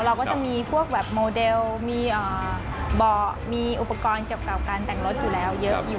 เราก็จะมีพวกแบบโมเดลมีเบาะมีอุปกรณ์เกี่ยวกับการแต่งรถอยู่แล้วเยอะอยู่